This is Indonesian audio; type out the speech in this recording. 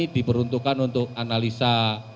diberuntukkan untuk analisa